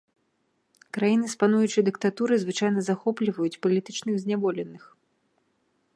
Краіны з пануючай дыктатурай звычайна захопліваюць палітычных зняволеных.